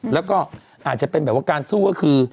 แล้วก็อาจจะเป็นแบบว่าการสู้ก็คือ